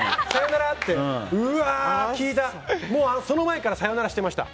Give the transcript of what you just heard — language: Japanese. その前からさよならしてました。